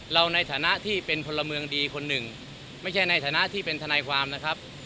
ในฐานะที่เป็นพลเมืองดีคนหนึ่งไม่ใช่ในฐานะที่เป็นทนายความนะครับ